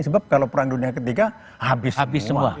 sebab kalau perang dunia ketiga habis habis semua